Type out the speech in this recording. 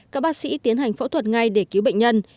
các bác sĩ tiến hành phẫu thuật ngay để cứu bệnh nhân